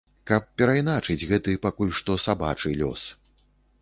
Каб перайначыць гэты, пакуль што сабачы, лёс.